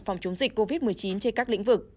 phòng chống dịch covid một mươi chín trên các lĩnh vực